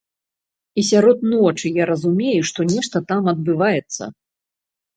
І сярод ночы я разумею, што нешта там адбываецца.